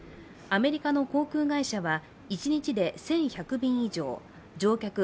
アメリカの航空会社は一日で１１００便以上、乗客